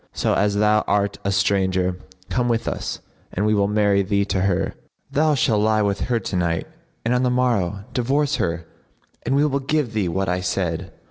So, as thou art a stranger, come with us and we will marry thee to her; thou shalt lie with her to night and on the morrow divorce her and we will give thee what I said."